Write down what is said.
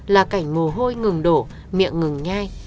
là cảnh mồ hôi ngừng đổ miệng ngừng nhai